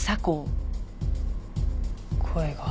声が。